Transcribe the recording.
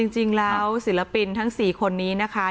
จริงแล้วศิลปินทั้ง๔คนนี้นะคะ